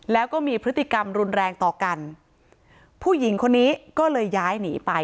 แล้วก็มีพฤติกรรมรุนแรงต่อกันผู้หญิงคนนี้ก็เลยย้ายหนีไป